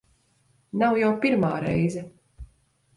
Nav jau pirmā reize.